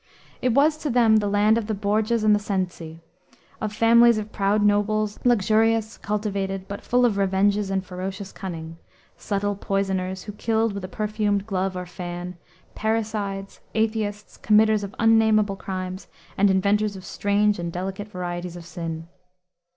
It was to them the land of the Borgias and the Cenci; of families of proud nobles, luxurious, cultivated, but full of revenges and ferocious cunning; subtle poisoners, who killed with a perfumed glove or fan; parricides, atheists, committers of unnamable crimes, and inventors of strange and delicate varieties of sin.